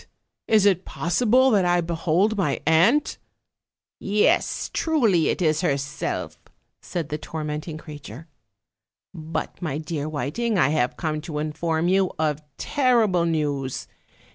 is it possible that I behold my aunt?" "Yes, truly, it is herself," said the tormenting crea ture. "But, my dear Whiting, I have come to inform you of terrible news.